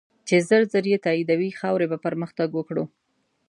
چی ژر ژر یی تایدوی ، خاوری به پرمختګ وکړو